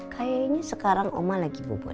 kayaknya sekarang oma lagi bobok ya